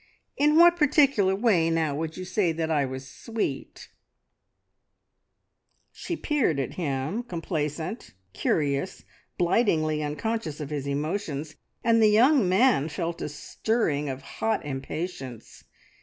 In what particular way, now, would you say that I was `_sweet_?'" She peered at him, complacent, curious, blightingly unconscious of his emotions, and the young man felt a stirring of hot impatience.